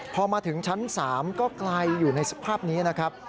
พอมาถึงชั้น๓ก็ไกลอยู่ในสภาพนี้นะครับ